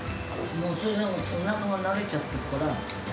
もうそれでおなかが慣れちゃってるから。